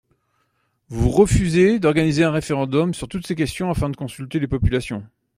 Vous refusez d’organiser un référendum sur toutes ces questions afin de consulter les populations.